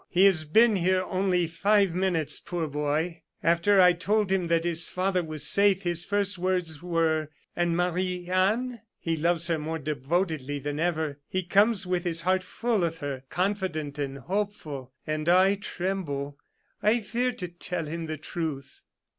He has been here only five minutes. Poor boy! after I told him that his father was safe, his first words were: 'And Marie Anne?' He loves her more devotedly than ever. He comes with his heart full of her, confident and hopeful; and I tremble I fear to tell him the truth."